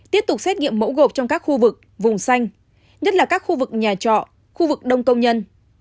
tiếp tục xét nghiệm mẫu gộp trong các khu vực vùng xanh nhất là các khu vực nhà trọ khu vực đông công nhân